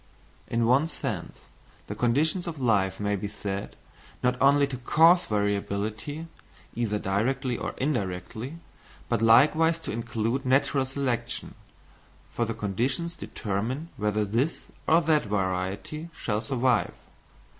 In one sense the conditions of life may be said, not only to cause variability, either directly or indirectly, but likewise to include natural selection, for the conditions determine whether this or that variety shall survive.